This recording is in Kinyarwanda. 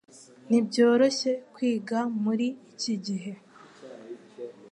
NTIBYOROSHYE kwiga muri iki gihe